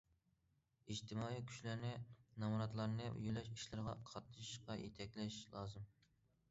ئىجتىمائىي كۈچلەرنى نامراتلارنى يۆلەش ئىشلىرىغا قاتنىشىشقا يېتەكلەش لازىم.